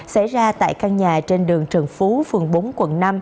xảy ra tại căn nhà trên đường trần phú phường bốn quận năm